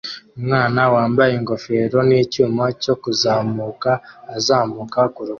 Umwana wambaye ingofero nicyuma cyo kuzamuka azamuka kurukuta